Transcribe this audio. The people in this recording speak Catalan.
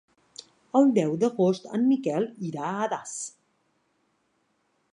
El deu d'agost en Miquel irà a Das.